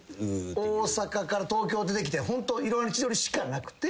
大阪から東京出てきてホント『いろはに千鳥』しかなくて。